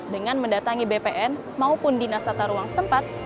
dengan mendatangi bpn maupun dinas tata ruang setempat